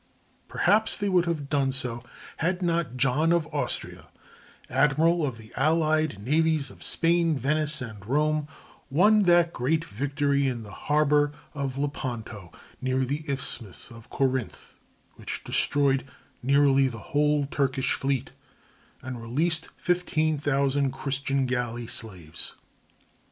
Perhaps they would have done so had not John of Austria, admiral of the allied navies of Spain, Venice, and Rome, won that great victory in the harbor of Lepanto, near the isthmus of Corinth, which destroyed nearly the whole Turkish fleet, and released fifteen thousand Christian galley slaves.